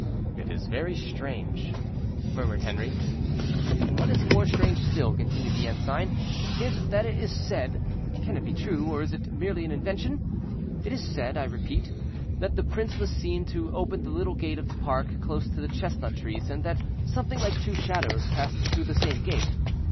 "It is very strange," murmured Henri. "And what is more strange still," continued the ensign, "is, that it is said—can it be true, or is it merely an invention?—it is said, I repeat, that the prince was seen to open the little gate of the park close to the chestnut trees, and that something like two shadows passed through that same gate.